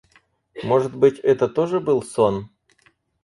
Может быть, это тоже был сон?